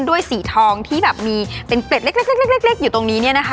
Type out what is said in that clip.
สีทองที่แบบมีเป็นเกล็ดเล็กอยู่ตรงนี้เนี่ยนะคะ